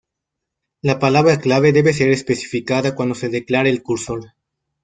La palabra clave debe ser especificada cuando se declare el cursor.